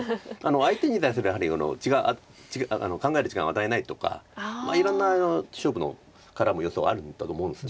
相手に対するやはり考える時間を与えないとかいろんな勝負の絡む要素はあるんだとは思うんです。